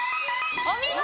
お見事！